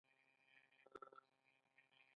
نور ولسونه مو پر نظم آفرین ووايي.